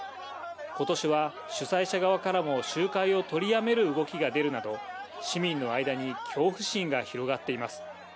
ことしは主催者側からも集会を取りやめる動きが出るなど、市民の間に恐怖心が広がっています。